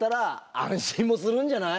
安心もするんじゃない？